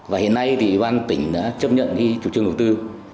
và hiện nay thì ban tỉnh đã chấp nhận cái chủ trương đầu tư